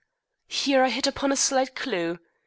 "Here I hit upon a slight clue.